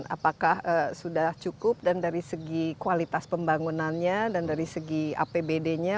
apakah sudah cukup dan dari segi kualitas pembangunannya dan dari segi apbd nya